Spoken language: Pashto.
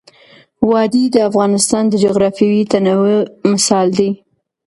وادي د افغانستان د جغرافیوي تنوع مثال دی.